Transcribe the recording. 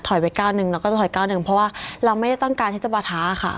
ไปก้าวหนึ่งเราก็จะถอยก้าวหนึ่งเพราะว่าเราไม่ได้ต้องการที่จะปะท้าค่ะ